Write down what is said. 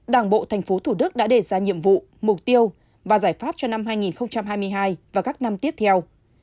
đảng bộ tp thủ đức đã đề ra nhiệm vụ mục tiêu và giải pháp cho năm hai nghìn hai mươi hai và các năm tiếp theo